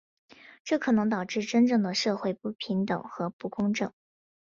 这可能导致真正的社会不平等和不公正。